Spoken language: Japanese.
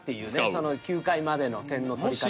その９回までの点の取り方に。